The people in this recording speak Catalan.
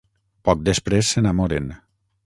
Poc després, s'enamoren.